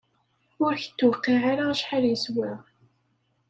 Ur k-tewqiε ara acḥal yeswa!